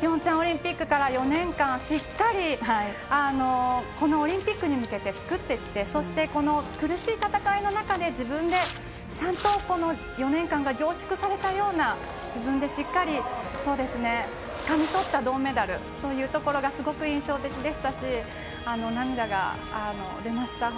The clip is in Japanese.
ピョンチャンオリンピックから４年間しっかりこのオリンピックに向けて作ってきてそして、苦しい戦いの中でちゃんと４年間が凝縮されたような自分でしっかりつかみとった銅メダルというところがすごく印象的でしたし涙が出ました。